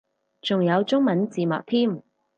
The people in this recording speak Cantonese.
仲有中文字幕添